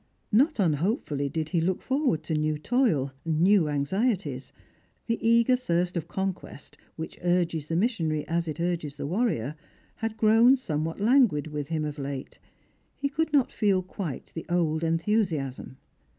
Not unhopefully did he look forward to new toil, new anxieties. The eager thirst of conquest, which urges the missionary as it urges the Avarrior, had grown somewhat languid with him of late; he could not feel quite the old enthusiasm.